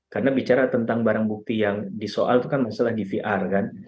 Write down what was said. karena bicara tentang barang bukti yang disoal itu kan masalah dvr kan